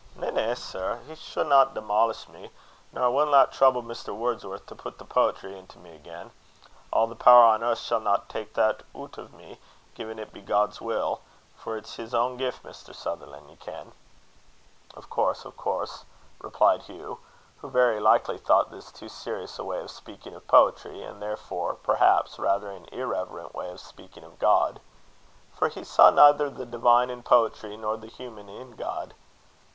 "Na, na, sir, he sanna demolish me: nor I winna trouble Mr. Wordsworth to put the poetry into me again. A' the power on earth shanna tak' that oot o' me, gin it be God's will; for it's his ain gift, Mr. Sutherland, ye ken." "Of course, of course," replied Hugh, who very likely thought this too serious a way of speaking of poetry, and therefore, perhaps, rather an irreverent way of speaking of God; for he saw neither the divine in poetry, nor the human in God.